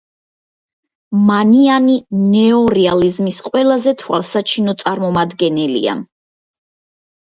მანიანი ნეორეალიზმის ყველაზე თვალსაჩინო წარმომადგენელია.